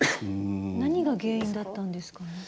何が原因だったんですかね。